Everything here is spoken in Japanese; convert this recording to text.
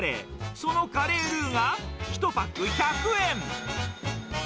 そのカレールウが１パック１００円。